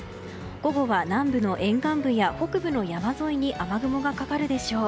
午後は南部の沿岸部や北部の山沿いに雨雲がかかるでしょう。